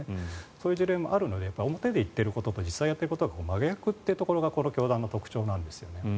そういう事例もあるので表で言っていることと裏でやっていることが真逆というのがこの教団の特徴なんですね。